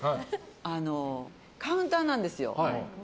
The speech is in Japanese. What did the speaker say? カウンターなんですよ。